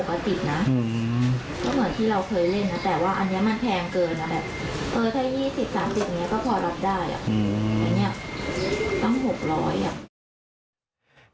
อันนี้ตั้ง๖๐๐บาท